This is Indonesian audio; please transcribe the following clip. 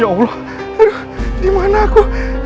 ya allah aduh dimana aku